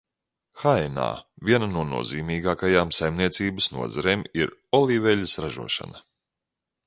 Haenā viena no nozīmīgākajām saimniecības nozarēm ir olīveļļas ražošana.